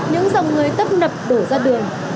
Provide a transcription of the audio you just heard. những dòng người tấp nập đổ ra đường